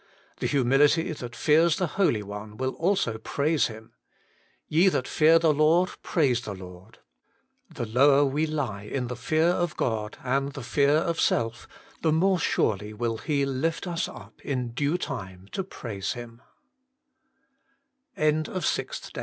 The humility that fears the Holy One will also praise Him :' Ye that fear the Lord : praise the Lord.' The lower we lie In the fear of God, and the fear of self, the more surely will He l\ft us up in due time